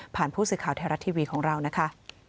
ผู้สื่อข่าวไทยรัฐทีวีของเรานะคะ